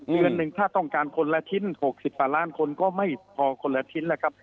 เดือนหนึ่งถ้าต้องการคนละชิ้น๖๐กว่าล้านคนก็ไม่พอคนละชิ้นแล้วครับ